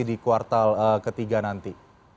di kuartal ketiga nanti